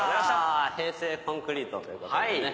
平成コンクリートということでね。